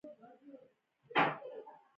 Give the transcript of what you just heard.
مؤلده ځواکونه هم کټ مټ وده کوي او غټیږي.